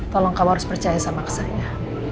tolong kamu harus percaya sama saya